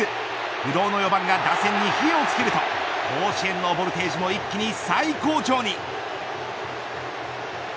不動の４番が打線に火をつけると甲子園のボルテージも一気に最高潮に。